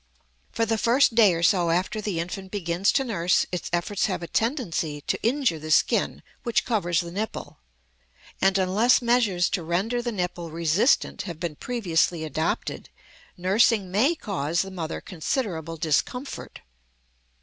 For the first day or so after the infant begins to nurse its efforts have a tendency to injure the skin which covers the nipple; and unless measures to render the nipple resistant have been previously adopted, nursing may cause the mother considerable discomfort.